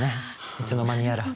いつの間にやら。